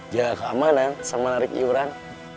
jaga keamanan sama narik iuran